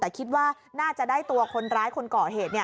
แต่คิดว่าน่าจะได้ตัวคนร้ายคนก่อเหตุ